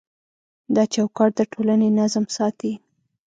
دا چوکاټ د ټولنې نظم ساتي.